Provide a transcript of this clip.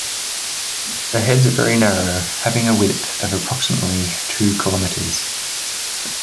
The heads are very narrow, having a width of approximately two kilometres.